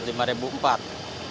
sebelum itu masih